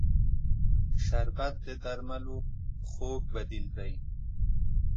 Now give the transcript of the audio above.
شربت د درملو خوږ بدیل دی